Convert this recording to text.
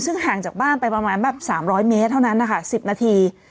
ซึ่งห่างจากบ้านไปประมาณแบบ๓๐๐เมตรเท่านั้นนะคะ๑๐นาที